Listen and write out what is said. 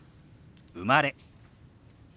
「生まれ」。